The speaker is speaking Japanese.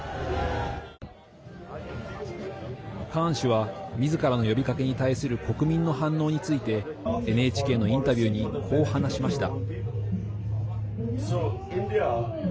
カーン氏はみずからの呼びかけに対する国民の反応についてＮＨＫのインタビューにこう話しました。